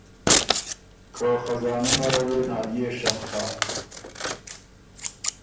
که خزانۀ نره وې ناليې شخ هۀ۔